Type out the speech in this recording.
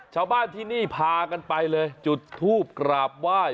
ชาวบ้านที่นี่พากันไปเลยจุดทูบกราบไหว้